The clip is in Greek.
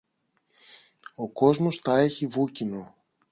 Ο κόσμος τα έχει βούκινο.